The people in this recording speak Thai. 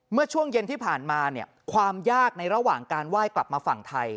เมื่อช่วงเย็นที่ผ่านมาเนี่ยความยากในระหว่างการไหว้กลับมาฝั่งไทย